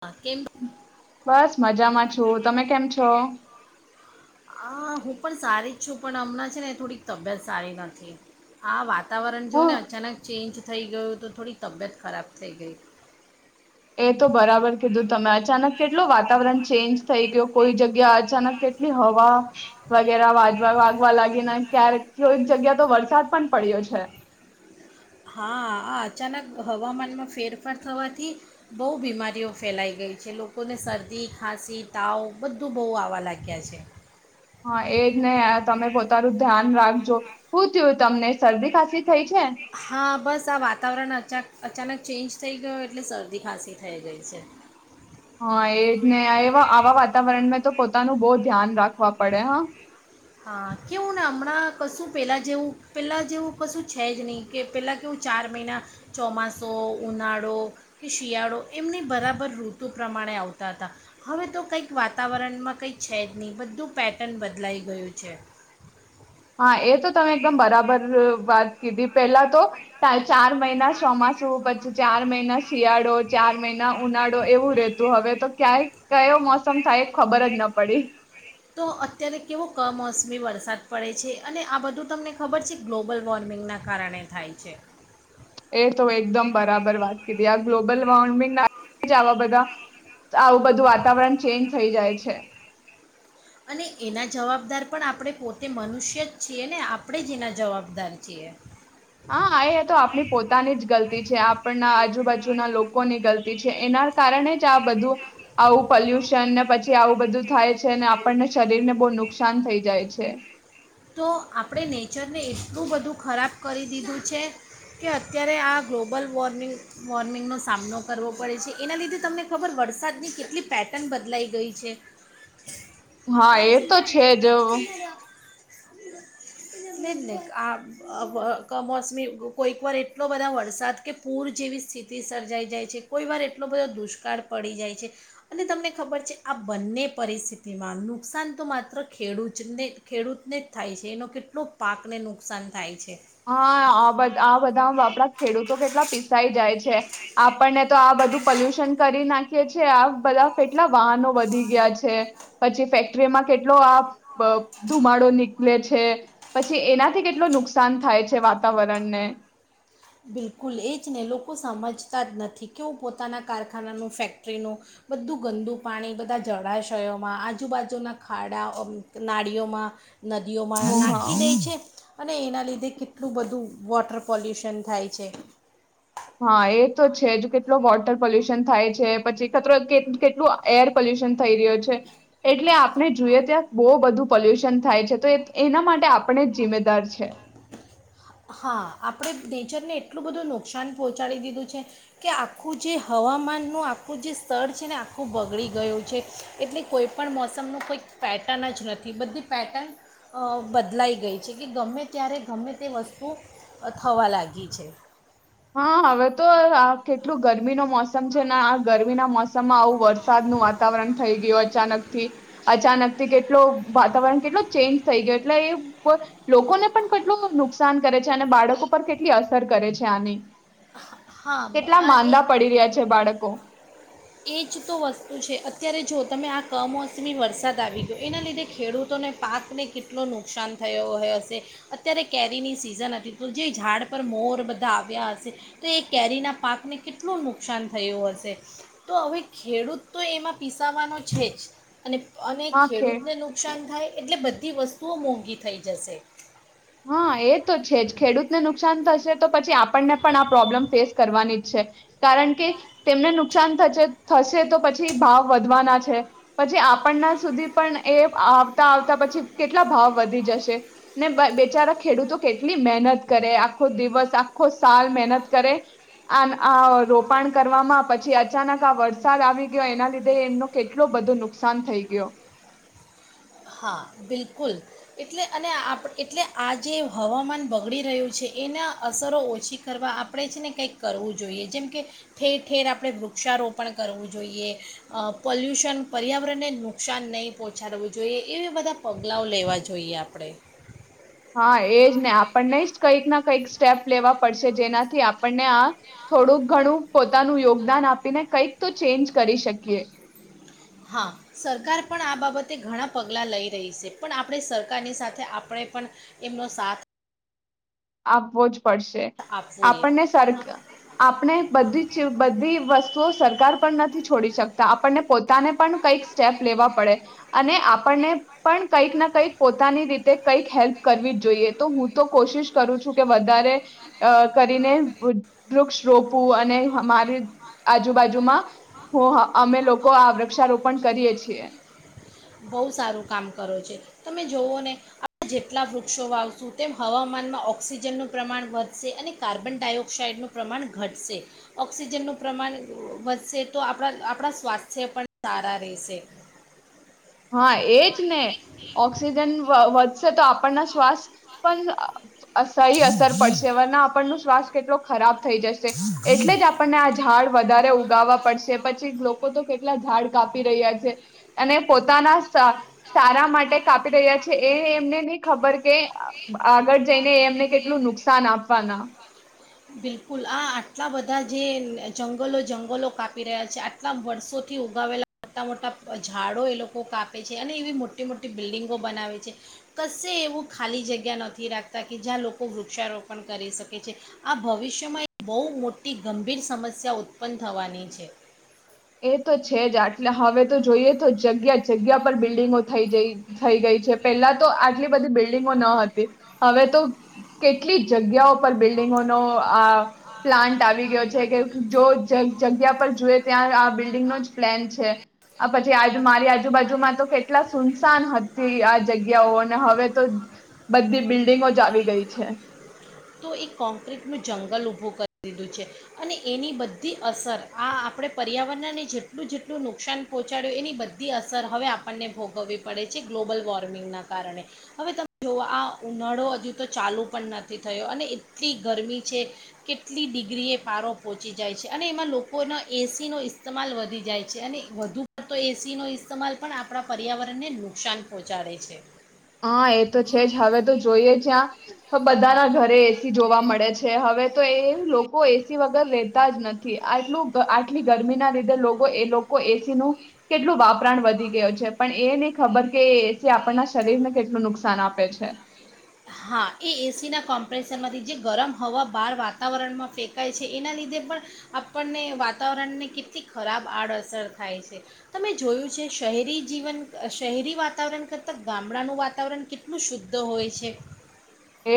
હા કેમ? બસ મજામાં છું, તમે કેમ છો? આ હું પણ સારી જ છું પણ હમણાં છે ને થોડીક તબિયત સારી નથી આ વાત વાતાવરણ જો ને હું અચાનક ચેન્જ થઈ ગયું તો થોડીક તબિયત ખરાબ થઈ ગઈ. એ તો બરાબર કીધું તમે અચાનક કેટલું વાતાવરણ ચેન્જ થઈ ગયો કોઈ જગ્ જગ્યા અચાનક કેટલી હવા વગેરા વાજવા વાગવા લાગીને ક્યારે કોઈક જગ્યા તો વરસાદ પણ પડ્યો છે. હા આ અચાનક હવામાનમાં ફેરફાર થવાથી બહુ બીમારીઓ ફેલાઈ ગઈ છે લોકોને શરદી ખાંસી તાવ બધું બહુ આવવા લાગ્યા છે. હા એજને યાર તમે પોતાનું ધ્યાન રાખજો, હુ થયું તમને શરદી ખાસી? હા બસ આ વાતાવરણ અચાન અચાનક ચેન્જ થઈ ગયો એટલે શરદી ખાંસી થઈ ગઈ છે. હા એ જ ને એ આવા વાતાવરણમાં તો પોતાનું બહ ધ્યાન રાખવા પડે હા. હા કેવું ને હમણાં કશું પહેલાં જેવું પહેલાં જેવું કશું છે જ નહીં કે પહેલાં કેવું ચાર મહિના ચોમાસો ઉનાળો કે શિયાળો એમને બરાબર ઋતુ પ્રમાણે આવતા હતા હવે તો કંઈક વાતાવરણમાં કંઈક છે જ નહીં બધું પેટર્ન બદલાઈ ગયું છેે. હા એ તો તમે એકદમ બરાબર વાત કીધી પેલા તો ચાર મહિના ચોમાસું પછી ચાર મહિના શિયાળો. ચાર મહિના ઉનાળો એવું રહેેતું. હવે તો ક્યાંય કયો મોસમ થાય એ ખબર જ ન પડી. તો અત્યારે કેવો કમોસમી વરસાદ પડે છે અને આ બધું તમને ખબર છે ગ્લોબલ વોર્મિંગના કારણે થાય છે. એ તો એકદમ બરાબર વાત કીધી આ ગ્લોબલ વોર્મિંગ ના જ આવા બધા આવું બધું વાતાવરણ ચેન્જ થઈ જાય છે. અને એના જવાબદાર પણ આપણે પોતે મનુષ્ય જ છીએ ને આપણે જ એના જવાબદાર છીએ. હા આ તો આપની પોતાની જ ગલતી છે આપણના આજુબાજુના લોકોની ગલ તી એના કારણે જ આ બધું આવું પોલ્યુશન ને પછી આવું બધું થાય છે ને આપણને શરીર ને બહુ નુકસાન થઈ જાય છે. તો આપણે નેચરને એટલું બધું ખરાબ કરી દીધું છે કે અત્યારે આ ગ્લોબલ વોર્મિંગ વોર્મિંગનો સામનો કરવો પડે છે એના લીધે તમને ખબર વરસાદની કેટલી પેટર્ન બદલાઈ ગઈ છે. હા એ તો છે જ અ. નેજ નેજ આ વ કમોસમી કોઈક વાર એટલો બધા વરસાદ કે પૂર જેવી સ્થિતિ સર્જાઈ જાય છે. કોઈ વાર એટલો બધો દુષ્કાળ પડી જાય છે. અને તમને ખબર છે આ બંને પરિસ્થિતિમાં નુકસાન તો માત્ર ખેડૂચ ને ખેડૂત ને જ થાય છે. એનો કેટલો પાકને નુકસાન થાય છે. હા આ બધા આ બધા આમ આપણા ખેડૂતો કેટલા પીસાઈ જાય છે. આપણને તો આ બધું પોલ્યુશન કરી નાખીએ છીએ. આ બધા કેટલા વાહનો વધી ગયા છે પછી ફેક્ટરીમાં કેટલો આ બ ધુમાડો નીકળે છે પછી એના તો કેટલો નુક નુકસાન થાય છે વાતાવરણને. બિલકુલ એ જ ને લોકો સમજતા જ નથી કે હું પોતાન. નદીઓમાં બો નાખી હા દે છે. અને એના લીધે કેટલું બધું વોટર પોલ્યુશન થાય છે. હા એ તો છે જ જો કેટલો વોટર પોલ્યુશન થાય છે. પછી કચરો કેટલું એર પોલ્યુશન થઈ રહ્યો છે. એટલે આપને જોઈએ ત્યાં બહુ બધું પોલ્યુશન થાય છે. તો એના માટે આપણે જ જિમ્મેદાર છે. હા આપણે નેચરને એટલું બધું નુકસાન પહોંચાડી દીધું છે કે આખું જે હવામાનનું આખું જે સ્તર છે ને આખું બગડી ગયું છે. એટલે કોઈ પણ મોસમનું કોંઈક પેટર્ન જ નથી બધી પેટર્ન અ બદલાઈ ગઈ છે કે ગમે ત્યારે ગમે તે વસ્ તુ અ થવા લાગી છે. હા હવે તો આ કેટલું ગરમીનો મોસમ છે ને આ ગરમીના મોસમમાં આવું વરસાદનું વાતાવરણ થઈ ગયું અચાનકથી અચાનક થી કેટલો વાતાવરણ કેટલો ચેન્જ થઈ ગયો એટલે એ લોકોને પણ કેટલું નુકસાન કરે છે. અને બાળકો પર કેટલી અસર કરે છે આની. હા કેટલા એ માંદા પડી રહ્યા છે બાળકો એજ તો વસ્તુ છે અત્યારે જો તમે આ કમોસમી વરસાદ આવી ગયો એના લીધે ખેડૂતોને પાકને કેટલો નુકસાન થયો હશે. અત્યારે કેરીની સિઝન હતી તો જે ઝાડ પર મોર બધાં આવ્યા હશે તો એ કેરીના પાકને કેટલું નુકસાન થયું હશે. તો હવે ખેડૂત તો એમાં પીસાવાનો છે જ. અને અને હા ખે ખેડૂતને નુકસાન થાય. એટલે બધી વસ્તુઓ મોંઘી થઈ જશે. હ એ તો છે જ ખેડૂતને નુકસાન થશે તો પછી આપણને પણ આ પ્રોબ્લેમ ફેસ કરવાની જ છે કારણ કે તેમને નુકસાન થછે થશે તો પછી ભાવ વધવાના છે. પછી આપણના સુધી પણ એ આવતા આવતા પછી કેટલા ભાવ વધી જશે ને બીચારા ખેડૂતો કેટલી મહેનત કરે, આખો દિવસ, આખો સાલ મહેનત કરે આ આ રોપાણ કરવામાં પછી અચાનક આ વરસાદ આવી ગયો એના લીધે એમનો કેટલો બધો નુકસાન થઈ ગયો. હા બિલકુલ. એટલે અને આપ એટલે આ જે હવામાન બગડી રહ્યું છે એના અસરો ઓછી કરવા આપણે છે ને કંઈક કરવું જોઈએ. જેમ કે ઠેર ઠેર આપણે વૃક્ષારોપણ કરવું જોઈએ, એ પલ્યુશન પર્યાવરણને નુકસાન નહીં પહોંચાડવું જોઈએ. એવી બધા પગલાંઓ લેવા જોઈએ આપણે. હા એજ ને આપણને જ કંઈક ના કંઈક સ્ટેપ લેવા પડશે, જેનાથી આપણને આ થોડુંક ઘણું પોતાનું યોગદાન આપીને કંઈક તો ચેન્જ કરી શકીએ. હા સરકાર પણ આ બાબતે ઘણા પગલા લઈ રહી છે. પણ આપણે સરકારની સાથે આપણે પણ એમનો સાથ આપવો જ પડશે. આપવો જોઈએ આપણને સર આપણે બધી બધી વસ્તુઓ સર સરકાર પણ નથી છોડી શકતા. આપણને પોતાને પણ કંઈક સ્ટેપ લેવા પડે અને આપણને પણ કંઈક ના કંઈક પોતાની રીતે કંઈક હેલ્પ કરવી જ જોઈએ. તો હું તો કોશિશ કરું છું કે વધારે અ કરીને [unintelligible] વૃક્ષ રોપવુ અને હમારે આજુબાજુમાં હું અમે લોકો આ વૃક્ષારોપણ કરીએ છીએ. બહુ સારું કામ કરો છે તમે જોવોને આ જેટલા વૃક્ષો વાવશું તેમ હવામાનમાં ઓક્સિજનનું પ્રમાણ વધશે અને કાર્બન ડાયોક્સાાઈડનું પ્રમાણ ઘટશે ઓક્સિજનનું પ્રમાણ વધશે તો આપણા આપણા સ્વાસ્થ્ય પણ સારા રહેશે. હા એજને ઓક્સિજન વધ વધશે તો તો આપણના શ્વાસ પન સહી અસર પડશે વરના આપણનો શ્વાસ કેટલો ખરાબ થઈ જશે એટલે જ આપણને આ ઝાડ વધારે ઉગાવા પડશે પછી લોકો તો કેટલા ઝાડ કાપી રહ્યા છે અને પોતાના સા સારા માટે કાપી રહ્યા છે એ એમને નહી ખબર કે આગળ જઈને એમને કેટલું નુકસાન આપવાના બિલકુલ આ આટલા બધા જે જંગલો-જંગલો કાપી રહ્યા છે આટલા વર્ષોથી ઉગાવેલા મોટા મોટા ઝાડો એ લોકો કાપ કાપે છે અને એવી મોટી મોટી બિલ્ડિંગો બનાવે છે કશે એવું ખાલી જગ્યા નથી રાખતા કે જ્યાં લોકો વૃક્ષારોપણ કરી શકે છે આ ભવિષ્યમાં બહુ મોટી ગંભીર સમસ્યા ઉત્પન્ન થવાની છે. એ તો છે જ આટલે હવે તો જોઈએ તો જગ્યા જગ્યા પર બિલ્ડિંગો થઈ જઈ થઈ ગઈ છે પેહલા તો આટલી બધી બિલ્ડિંગો ન હતી હવે તો કેટલી જગ્યાઓ પર બિલ્ડિંગોનો આ પ્લાન્ટ આવી ગયો છે કે જો જગ જગ્યા પર જુએ ત્યાં જ આ બિલ્ડિંગનો જ પ્લેન છે આ પછી આ મારી આજુબાજુમાં તો કેટલા સુમસાન હતી આ જગ્યાઓ અને હવે તો બધી બિલ્ડિંગો જ આવી ગઈ છે. તો એ કોંક્રીટનું જંગલ ઊભું કરી દીધું છે અને એની બધી અસર આ આપણે પર્યાવરણને જેટલું જેટલું નુકસાન પહોંચાડ્યું એની બધી અસર હવે આપણને ભોગવવી પડે છે ગ્લોબલ વોર્મિંગના કારણે હવે તમે જોવો આ ઉનાળો હજુ તો ચાલુ પણ નથી થયો અને એટલી ગરમી છે કેટલી ડિગ્રી એ પારો પહોંચી જાય છે અને એમાં લોકોનો એસીનો ઇસ્તેમાલ વધી જાય છે અને વધુ પડતો એસીનો ઇસ્તેમાલ પણ આપણા પર્યાવરણને નુકસાન પહોંચાડે છે. હા એ તો છે જ હવે તો જોઈએ જ્યાં બધાના ઘરે એ સી જોવા મળે છે હવે તો એ લોકો એ સી વગર રહેેતા જ નથી આટલું આટલી ગરમીના લીધે એ લોકો એ સી નું કેટલું વાપરાણ વધી ગયું છે પણ એ નહીં ખબર કે એ સી આપણના શરીરને કેટલું નુકસાન આપે છે. હા એ એ સીના કોમ્પ્રેસરમાંથી જે ગરમ હવા બહાર વાતાવરણમાં ફેંકાય છે એના લીધે પણ આપણને વાતાવરણને કેટલી ખરાબ આડઅસર થાય છે તમે જોયું છે શહેરી જીવન શહેરી વાતાવરણ કરતાં ગામડાનું વાતાવરણ કેટલું શુદ્ધ હોય છે.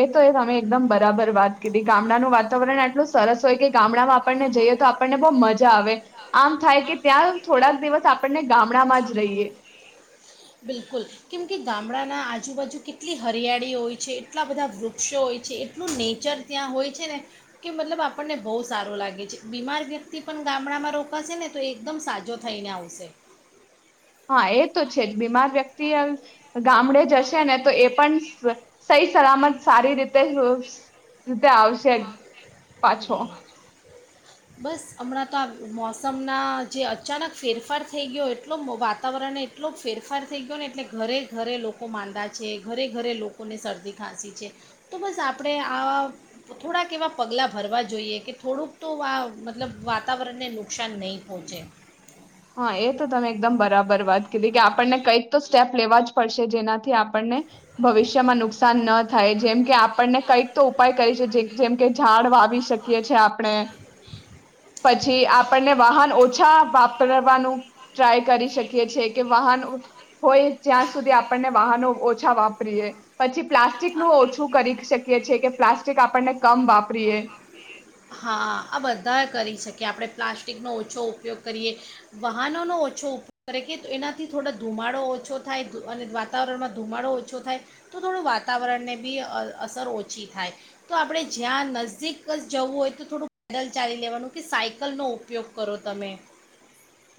એ તો એ તમે એકદમ બરાબર વાત કીધી ગામડાનું વાતાવરણ આટલું સરસ હોય કે ગામડામાં આપણને જઈએ તો આપણને બહુ મજા આવે આમ થાય કે ત્યાં થોડાક દિવસ આપણને ગામડામાં જ રહીએ. બિલકુલ, કેમ કે ગામડાના આજુબાજુ કેટલી હરિયાળી હોય છે એટલા બધા વૃક્ષો હોય છે એટલું નેચર ત્યાં હોય છે ને કે મતલબ આપણને બહુ સારું લાગે છે બીમાર વ્યક્તિ પણ ગામડામાં રોકાશે ને તો એકદમ સાજો થઈને આવશે. હા એ તો છે જ બીમાર વ્યક્તિ ગામડે જશે ને તો એ પણ સહી સલામત સારી રીતે અ રીતે આવશે. પાછો હમ્મ. બસ હમણાં તો આ મોસમના જે અચાનક ફેરફાર થઈ ગયો એટલો વાતાવરણ એટલો ફેરફાર થઈ ગયો ને એટલે ઘરે ઘરે લોકો માંદા છે, ઘરે ઘરે લોકોને શરદી ખાંસી છે તો બસ આપણે આવા થોડાક એવા પગલા ભરવા જોઈએ કે થોડુંક તો આ મતલબ વાતાવરણને નુકસાન નહીં પહોંચે. હા એ તો તમે એકદમ બરાબર વાત કીધી કે આપણને કંઈક તો સ્ટેપ લેવા જ પડશે જેનાથી આપણને ભવિષ્યમાં નુકસાન ન થાય જેમ કે આપણને કઈક તો ઉપાય કરી શકીએ જેમકે ઝાડ વાવી શકીએ છીએ આપ આપણે પછી આપણને વાહન ઓછા વાપ રવાનું ટ્રાય કરી શકીએ છે કે વાહન હોય જ્યાં સુધી આપણને વાહનો ઓછા વાપરીએ પછી પ્લાસ્ટિકનું ઓછું કરી શકી છે કે પ્લાસ્ટિક આપણને કમ વાપરીએ. હા આ બધા કરી શકીએ આપણે પ્લાસ્ટિકનો ઓછો ઉપયોગ કરીએ, વાહનોનો ઓછો ઉપયોગ કરીએ કે તો એનાથી થોડો ધુમાડો ઓછો થાય અને વાતાવરણમાં ધુમાડો ઓછો થાય તો થોડું વાતાવરણને બી અ અસર ઓછી થાય તો આપણે જ્યાં નઝદીક જ જવું હોય થોડું પેદલ ચાલી લેવાનું કે સાયકલનો ઉપયોગ કરો તમે.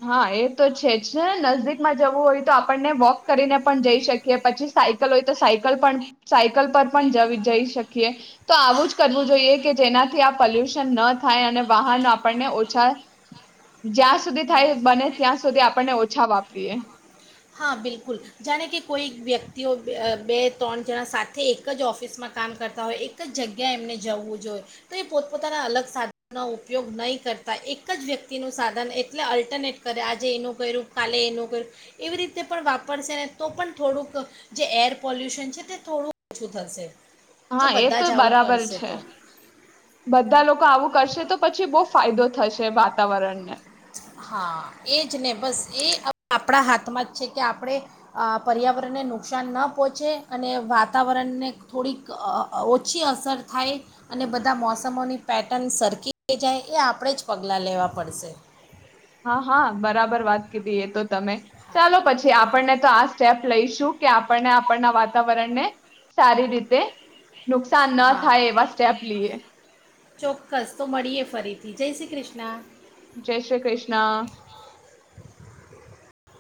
હા એ તો છે જ ને નજદીકમાં જવું હોય તો આપણને વોક કરીને પણ જઈ શકીએ પછી સાયકલ હોય તો સાયકલ પણ સાયકલ પર પણ જવી જઈ શકીએ તો આવું જ કરવું જોઈએ કે જેનાથી આપ પોલ્યુશન ન થાય અને વાહનો આપણને ઓછા જ્યાં થાય બને ત્યાં સુધી આપણને ઓછા વાપ પ્રિયા! હા, બિલકુલ. જાણે કે કોઈ વ્યક્તિઓ બે ત્રણ જણા સાથે એક જ ઓફિસમાં કામ કરતા હોય, એક જ જગ્યાએ એમને જવું જોઈએ તો એ પોતપોતાના અલગ સાધનોનો ઉપયોગ નહીં કરતા એક જ વ્યક્તિનું સાધન એટલે અલ્ટરનેટ કરે આજે એનું કર્યું, કાલે એનું કર્યું. એવી રીતે પણ વાપરશે ને તો પણ થોડુંક જે એર પોલ્યુશન છે તે થોડુંક ઓછું થશે. જો હા, એ બધા તો જ આવું બરાબર કરશે છે. તો બધા લોકો આવું કરશે તો પછી બો ફાયદો થશે. એ વાતાવરણ ને. હા એ જ ને બસ એ આપણા હાથમાં જ છે કે આપણે પર્યાવરણને નુકસાન ન પહોંચે અને વાતાવરણને થોડીક અ ઓછી અસર થાય અને બધા મોસમોની પેટર્ન સરકી જાય એ આપણે જ પગલાં લેવાં પડશે. હા હા બરાબર વાત કીધી એ તો તમે ચાલો પછી. આપણને તો આ સ્ટેપ લઈશ. [unintelligible] કે આપણને આપણના વાતાવરણ ને સારી રીતે. નુકસાન ન હા થાય એવા સ્ટેપ લઈએ. ચોક્કસ તો મળીએ ફરીથી જય શ્રી કૃષ્ણા. જય શ્રી કૃષ્ણા.